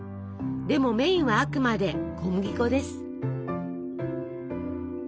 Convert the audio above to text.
でもメインはあくまで小麦粉です。